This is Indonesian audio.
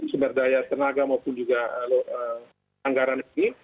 sumber daya tenaga maupun juga anggaran ini